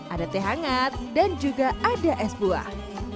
ada teh hangat dan juga ada es buah